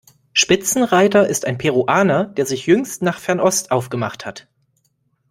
Spitzenreiter ist ein Peruaner, der sich jüngst nach Fernost aufgemacht hat.